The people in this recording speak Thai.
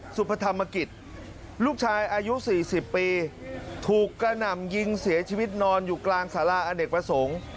สุพธรรมกิจลูกชายอายุ๔๐ปีถูกกระหน่ำยิงเสียชีวิตนอนอยู่กลางสาราอเนกประสงค์